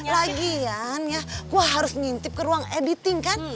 lagian ya gue harus ngintip ke ruang editing kan